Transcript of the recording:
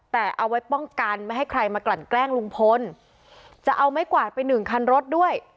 แต่เอาไว้ป้องกันไม่ให้ใครมากลั่นแกล้งลุงพลจะเอาไม้กวาดไปหนึ่งคันรถด้วย